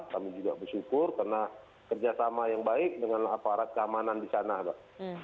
kami juga bersyukur karena kerjasama yang baik dengan aparat keamanan di sana pak